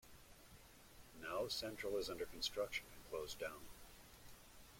Now Central is under construction and closed down.